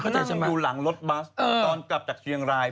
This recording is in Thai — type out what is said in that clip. ใช่ไหมดูหลังรถบัสตอนกลับจากเชียงราย